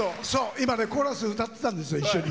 今、コーラス歌ってたんですよ。